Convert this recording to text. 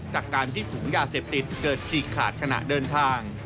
จากการที่ฝูงยาเสพติดเกิดฉีกขาดขณะเดินทาง